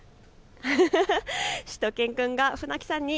しゅと犬くんが船木さんに。